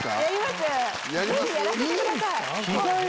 ぜひやらせてください！